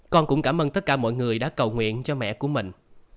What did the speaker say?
con cũng cảm ơn tất cả mọi người đã cầu nguyện cho mẹ của mình